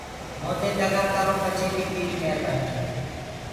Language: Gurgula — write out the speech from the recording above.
مودي دگآ ڪررو پڇي بيٚ تيريٚ مهربآنيٚ